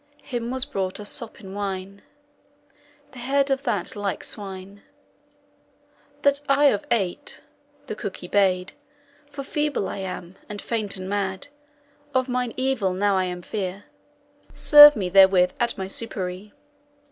Him was brought a sop in wine. 'The head of that ilke swine, That I of ate!' (the cook he bade,) 'For feeble I am, and faint and mad. Of mine evil now I am fear; Serve me therewith at my soupere!'